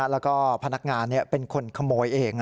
แล้วก็พนักงานเป็นคนขโมยเอง